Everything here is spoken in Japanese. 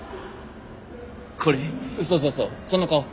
そうそうそうその顔。